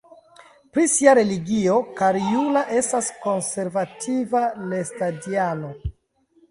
Pri sia religio Karjula estas konservativa lestadiano.